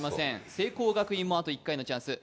聖光学院はあと１回のチャンス。